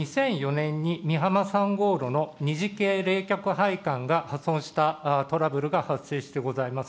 ２００４年に美浜３号炉の二次系冷却配管が破損したトラブルが発生してございます。